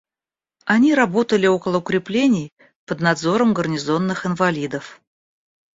Они работали около укреплений, под надзором гарнизонных инвалидов.